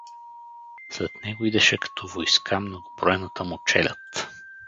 След него идеше като войска многобройната му челяд.